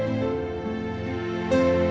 ya kita ke sekolah